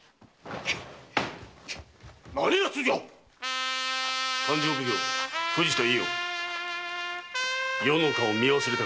何奴じゃ⁉勘定奉行・藤田伊予余の顔を見忘れたか。